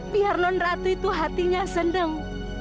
biar non ratu itu hatinya sendem